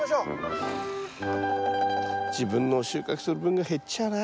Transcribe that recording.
自分の収穫する分が減っちゃうな